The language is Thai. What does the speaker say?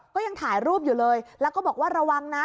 ก็ยังถ่ายรูปอยู่เลยแล้วก็บอกว่าระวังนะ